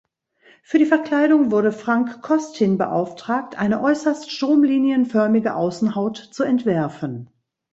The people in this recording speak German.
Für die Verkleidung wurde Frank Costin beauftragt, eine äußerst stromlinienförmige Außenhaut zu entwerfen.